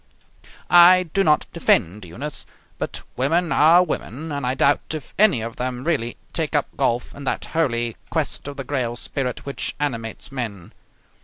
I do not defend Eunice, but women are women, and I doubt if any of them really take up golf in that holy, quest of the grail spirit which animates men.